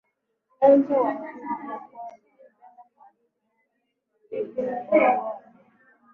eja wa nyumba ya paul ukipenda kwarim yake stephan poruola